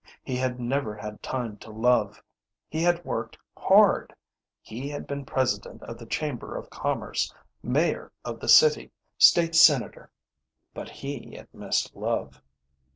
He had never had time to love. He had worked hard. He had been president of the chamber of commerce, mayor of the city, state senator, but he had missed love.